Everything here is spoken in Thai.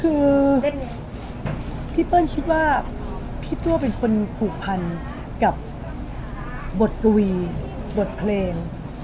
คือพี่เปิ้ลคิดว่าพี่ตัวเป็นคนผูกพันกับบทกวีบทเพลง